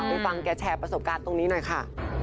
ฟังแกแชร์ประสบการณ์ตรงนี้หน่อยค่ะ